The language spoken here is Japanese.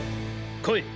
来い！